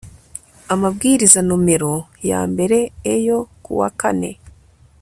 amabwiriza nomero yamber e yo kuwa kane